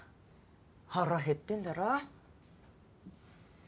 腹減ってんだろ。